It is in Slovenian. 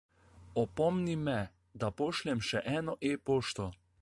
Opomni me, da pošljem še eno e-pošto.